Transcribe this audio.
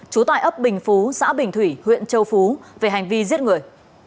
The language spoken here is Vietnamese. chú tài ấp bình phú xã bình thủy huyện châu phú về hành vi giết người